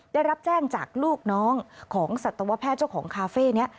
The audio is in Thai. ได้รับแจ้งจากลูกน้องของสัตวแพทย์เจ้าของคาเฟ่นี้